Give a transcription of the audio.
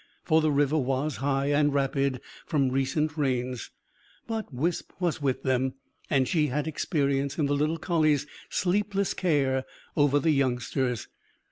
For the river was high and rapid from recent rains. But Wisp was with them; and she had experience in the little collie's sleepless care over the youngsters.